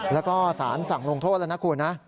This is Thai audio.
แล้วก็สารสั่งลงโทษแล้วนะคุณนะ